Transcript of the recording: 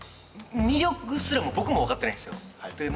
魅力すらも僕も分かってないんですよ。